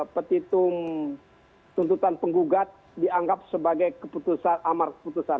petitum tuntutan penggugat dianggap sebagai keputusan amar keputusan